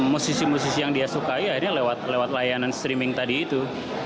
musisi musisi yang dia sukai akhirnya lewat layanan streaming tadi itu